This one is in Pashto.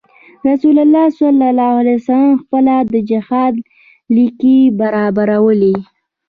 رسول الله صلی علیه وسلم خپله د جهاد ليکې برابرولې.